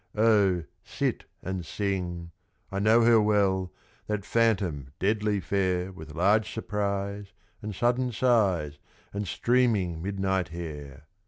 Oh! sit and sing I know her well, that phantom deadly fair With large surprise, and sudden sighs, and streaming midnight hair!